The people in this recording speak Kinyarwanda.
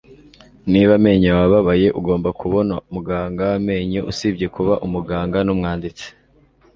Niba amenyo yawe ababaye, ugomba kubona muganga w amenyo. Usibye kuba umuganga, ni umwanditsi.